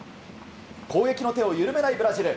攻撃の手を緩めないブラジル。